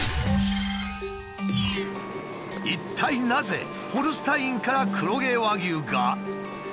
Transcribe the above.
一体なぜホルスタインから黒毛和牛が？